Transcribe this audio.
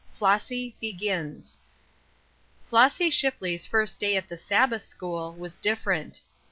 FLOSSY "BEGINS." FLOSSY SHIPLEY'S first day at Sabbath school was different.